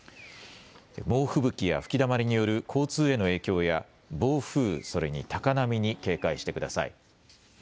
猛吹雪や吹きだまりによる交通への影響や暴風、それに高波に警戒してください。